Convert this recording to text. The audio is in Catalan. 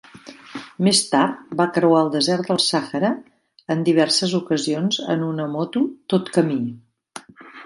Més tard, va creuar el desert del Sahara en diverses ocasions en una moto tot camí.